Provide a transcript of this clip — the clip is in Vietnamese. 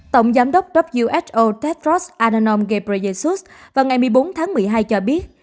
tổng giám đốc who tedros adhanom ghebreyesus vào ngày một mươi bốn tháng một mươi hai cho biết